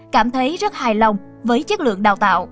cảm thấy rất hài lòng với chất lượng đào tạo